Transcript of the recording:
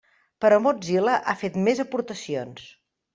Però Mozilla ha fet més aportacions.